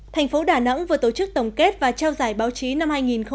thành phố đà nẵng vừa tổ chức tổng kết và trao giải báo chí năm hai nghìn một mươi chín